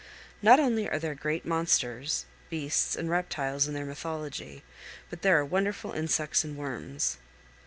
Not only are there great monsters, beasts, and reptiles in their mythology, but there are wonderful insects and worms.